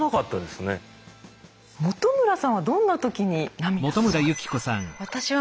元村さんはどんな時に涙しますか？